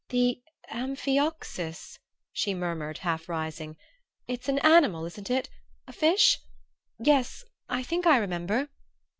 "The amphioxus," she murmured, half rising. "It's an animal, isn't it a fish? Yes, I think I remember."